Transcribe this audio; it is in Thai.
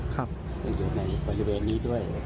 ครับที